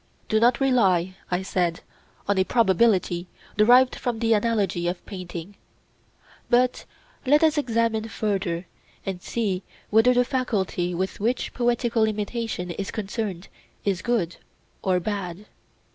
Do not rely, I said, on a probability derived from the analogy of painting; but let us examine further and see whether the faculty with which poetical imitation is concerned is good or bad.